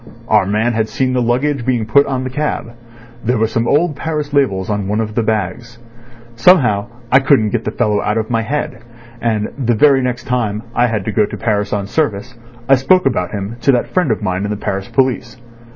Our man had seen the luggage being put on the cab. There were some old Paris labels on one of the bags. Somehow I couldn't get the fellow out of my head, and the very next time I had to go to Paris on service I spoke about him to that friend of mine in the Paris police.